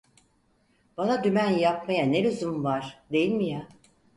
Bana dümen yapmaya ne lüzum var, değil mi ya?